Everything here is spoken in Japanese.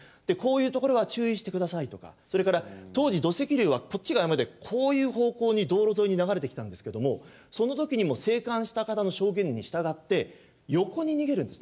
でこういうところは注意して下さいとかそれから当時土石流はこっちが山でこういう方向に道路沿いに流れてきたんですけどもその時にも生還した方の証言に従って横に逃げるんですね。